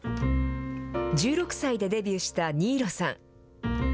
１６歳でデビューした新納さん。